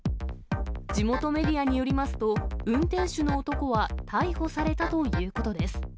地元メディアによりますと、運転手の男は逮捕されたということです。